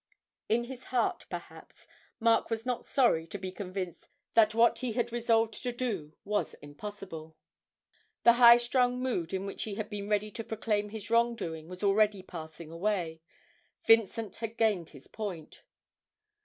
In his heart, perhaps, Mark was not sorry to be convinced that what he had resolved to do was impossible. The high strung mood in which he had been ready to proclaim his wrong doing was already passing away. Vincent had gained his point.